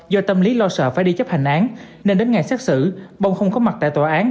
do tâm lý lo sợ phải đi chấp hành án nên đến ngày xét xử bông không có mặt tại tòa án